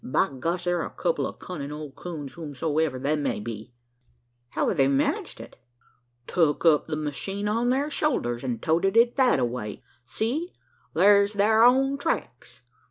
By gosh! thar a kupple o' cunnin' old coons, whosomever they be." "How have they managed it?" "Tuk up the machine on thar shoulders, an' toted it thataway! See! thar's thar own tracks!